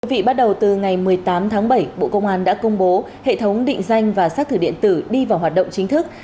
thưa quý vị bắt đầu từ ngày một mươi tám tháng bảy bộ công an đã công bố hệ thống định danh và xác thử điện tử đi vào hoạt động chính thức